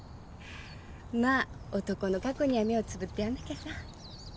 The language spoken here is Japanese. まぁ男の過去には目をつぶってやんなきゃさ。